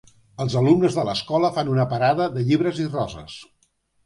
Els alumnes de l'escola fan una parada de llibres i roses.